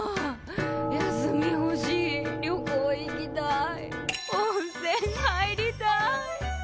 休み欲しい旅行行きたい温泉入りたい。